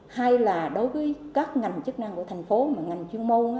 hay là đối với các ngành chức năng của thành phố ngành chuyên môn